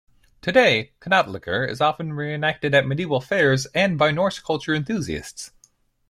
Today, knattleikr is often re-enacted at medieval fairs and by Norse culture enthusiasts.